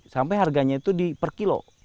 sampai harganya itu di per kilo